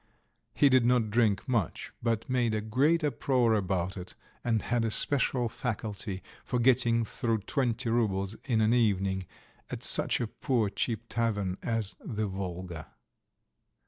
He did not drink much, but made a great uproar about it, and had a special faculty for getting through twenty roubles in an evening at such a poor cheap tavern as the Volga.